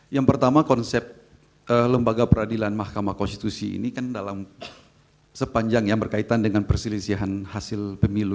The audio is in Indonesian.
yang pertama konsep lembaga peradilan mahkamah konstitusi ini kan dalam sepanjang yang berkaitan dengan perselisihan hasil pemilu